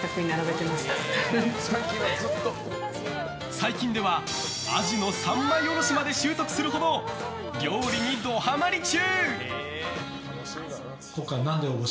最近ではアジの三枚下ろしまで習得するほど料理にドハマリ中！